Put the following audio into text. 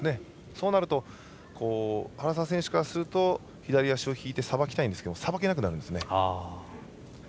そうなると原沢選手からすると左足を引いてさばきたいんですけどさばけなくなるんですよね。